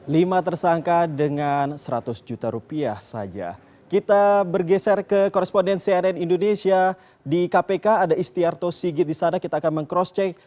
lima tersangka dengan seratus juta rupiah saja kita bergeser ke koresponden cnn indonesia di kpk ada istiarto sigit di sana kita akan meng cross check